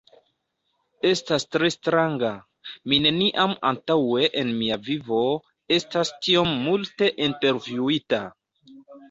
Estas tre stranga! Mi neniam antaŭe en mia vivo, estas tiom multe intervjuita!